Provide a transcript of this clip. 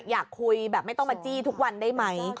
อยากคุยแบบไม่ต้องมาจี้ทุกวันได้ไหม